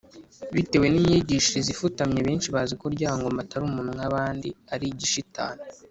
Bitewe n’imyigishirize ifutamye, benshi bazi ko Ryangombe Atari umuntu nk’abandi, ari igishitani.